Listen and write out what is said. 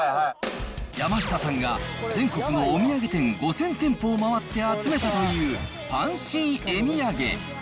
山下さんが全国のお土産店５０００店舗を回って集めたというファンシー絵土産。